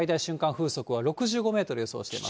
風速は６５メートル予想しています。